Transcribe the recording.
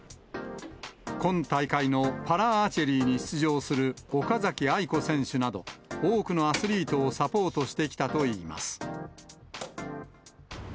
今大会のパラアーチェリーに出場する岡崎愛子選手など、多くのアスリートをサポートしてきたといいます。